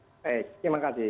oke terima kasih